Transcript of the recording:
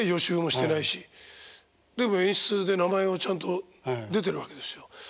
でも演出で名前はちゃんと出てるわけですよ。